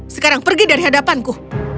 sekarang pergi dari hadapanku